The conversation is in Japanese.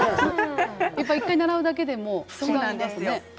１回習うだけでも違うんですね。